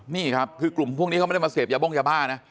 นี่ครับคือกลุ่มพวกนี้เขาไม่ได้มาเสพยาบ้งยาบ้านะ